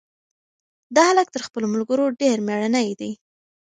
دا هلک تر خپلو ملګرو ډېر مېړنی دی.